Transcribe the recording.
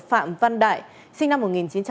phạm văn đại sinh năm một nghìn chín trăm tám mươi